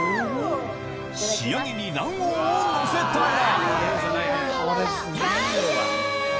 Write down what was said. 仕上げに卵黄をのせたら完成！